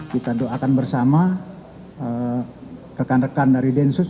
kita doakan bersama rekan rekan dari densus